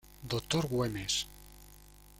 Dr. Güemes.